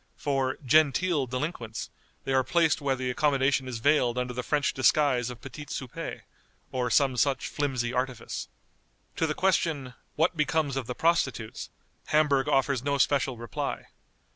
For "genteel" delinquents, they are placed where the accommodation is veiled under the French disguise of petits soupers, or some such flimsy artifice. To the question, "What becomes of the prostitutes?" Hamburg offers no special reply.